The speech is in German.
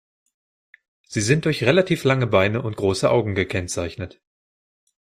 Sie sind durch relativ lange Beine und große Augen gekennzeichnet.